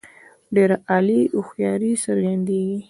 ډېره عالي هوښیاري څرګندیږي.